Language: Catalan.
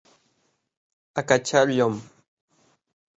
Acatxar el llom.